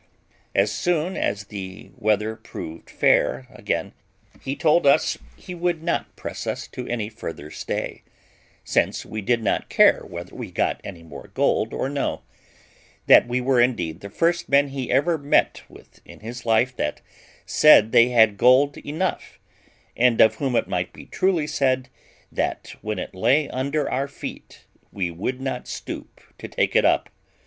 As soon as the weather proved fair again, he told us he would not press us to any further stay, since we did not care whether we got any more gold or no; that we were indeed the first men he ever met with in his life that said they had gold enough, and of whom it might be truly said, that, when it lay under our feet, we would not stoop to take it up.